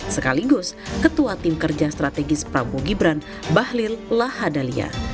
sekaligus ketua tim kerja strategis prabowo gibran bahlil lahadalia